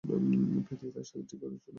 প্রীতি, তার সাথে ঠিক করছো না।